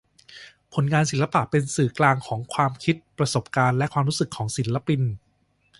ผลงานศิลปะเป็นสื่อกลางของ ความคิด ประสบการณ์ และ ความรู้สึกของศิลปิน